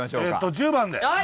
１０番で。